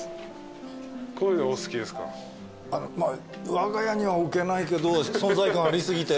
わが家には置けないけど存在感あり過ぎて。